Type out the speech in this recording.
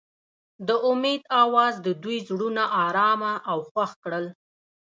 د امید اواز د دوی زړونه ارامه او خوښ کړل.